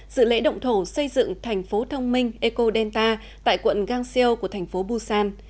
dự lễ động thổ xây dựng thành phố thông minh ecodenta tại quận gangseo của thành phố busan